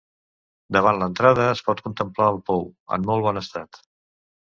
Davant l'entrada es pot contemplar el pou, en molt bon estat.